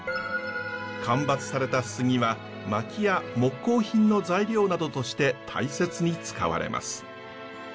間伐された杉はまきや木工品の材料などとして大切に使われます。